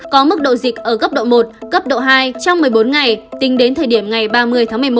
có mức độ dịch ở cấp độ một cấp độ hai trong một mươi bốn ngày tính đến thời điểm ngày ba mươi tháng một mươi một